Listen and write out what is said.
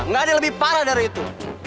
nggak ada yang lebih parah dari itu